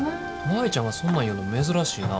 舞ちゃんがそんなん言うの珍しいな。